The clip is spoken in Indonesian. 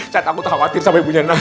saya takut khawatir sama ibunya